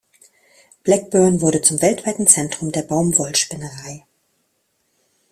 Blackburn wurde zum weltweiten Zentrum der Baumwollspinnerei.